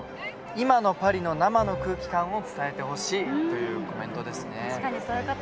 今のパリの生の空気感を伝えてほしいというコメントです。